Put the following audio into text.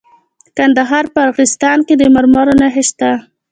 د کندهار په ارغستان کې د مرمرو نښې شته.